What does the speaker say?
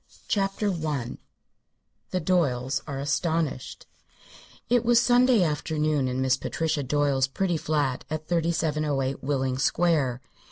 CHAPTER I THE DOYLES ARE ASTONISHED It was Sunday afternoon in Miss Patricia Doyle's pretty flat at 3708 Willing Square.